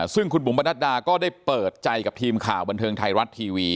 ซึ่งคุณบุ๋มประนัดดาก็ได้เปิดใจกับทีมข่าวบันเทิงไทยรัฐทีวี